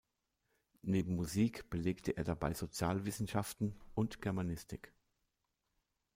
Neben Musik belegte er dabei Sozialwissenschaften und Germanistik.